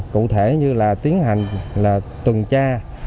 cụ thể như tiến hành tuần tra